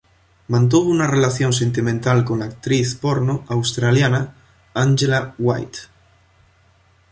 Mantuvo una relación sentimental con la actriz porno australiana Angela White.